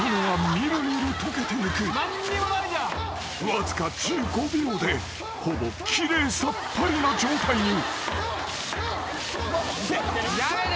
［わずか１５秒でほぼ奇麗さっぱりな状態に］